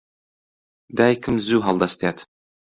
دایکم زوو هەڵدەستێت.